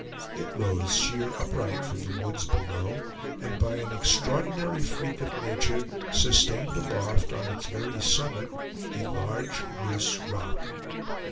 It rose sheer upright from the woods below, and by an extraordinary freak of nature sustained aloft on its very summit a large loose rock.